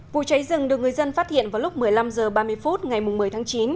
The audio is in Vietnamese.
vụ cháy rừng được người dân phát hiện vào lúc một mươi năm h ba mươi phút ngày một mươi tháng chín